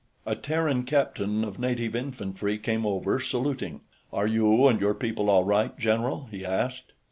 A Terran captain of native infantry came over, saluting. "Are you and your people all right, general?" he asked.